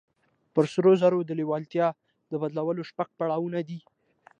پر سرو زرو د لېوالتیا د بدلولو شپږ پړاوونه دي.